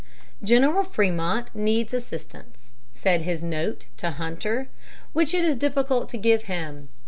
"General Frémont needs assistance," said his note to Hunter, "which it is difficult to give him.